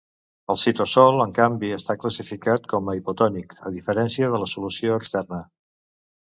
El citosol, en canvi, està classificat com a hipotònic, a diferencia de la solució externa.